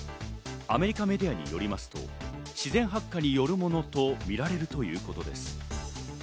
アメリカメディアによりますと、自然発火によるものとみられるということです。